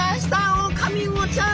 オオカミウオちゃん！